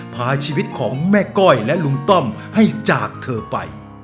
พาชีวิตของแม่ก้อยและลุงต้อมให้จากเธอไป